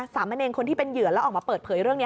สามเณรคนที่เป็นเหยื่อแล้วออกมาเปิดเผยเรื่องนี้